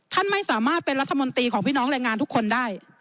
ท่านไม่สามารถเป็นรัฐมนตรีของพี่น้องแรงงานทุกคนได้